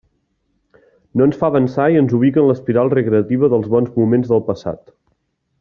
No ens fa avançar i ens ubica en l'espiral recreativa dels bons moments del passat.